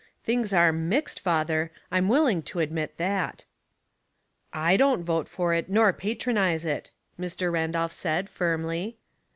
Things are mixed, father , I'm will ing to admit that." "J don't vote for it, nor patronize it," Mr. Randolph said, firmly.